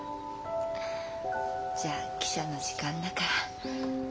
じゃあ汽車の時間だから。